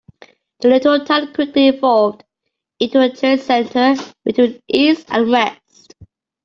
The little town quickly evolved into a trade center between east and west.